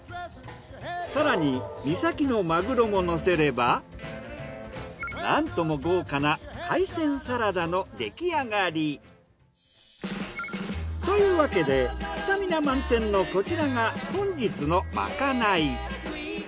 更に三崎のマグロものせればなんとも豪華な海鮮サラダの出来上がり。というわけでスタミナ満点のこちらが本日のまかない。